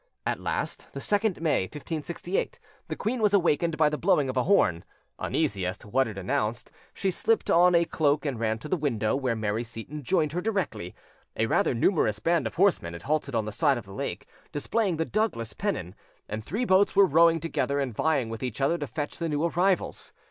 At last, the 2nd May, 1568, the queen was awakened by the blowing of a horn: uneasy as to what it announced, she slipped on a cloak and ran to the window, where Mary Seyton joined her directly. A rather numerous band of horsemen had halted on the side of the lake, displaying the Douglas pennon, and three boats were rowing together and vying with each other to fetch the new arrivals.